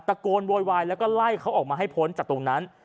โวยวายแล้วก็ไล่เขาออกมาให้พ้นจากตรงนั้น